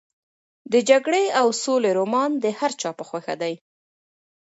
د جګړې او سولې رومان د هر چا په خوښه دی.